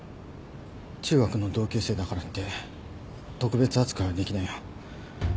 中学の同級生だからって特別扱いはできないよ。